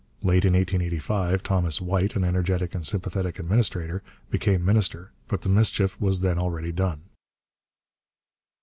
Late in 1885 Thomas White, an energetic and sympathetic administrator, became minister, but the mischief was then already done.